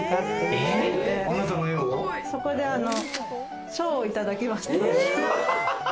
言われて、そこで賞をいただきました。